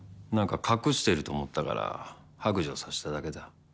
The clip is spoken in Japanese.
何か隠してると思ったから白状させただけだ。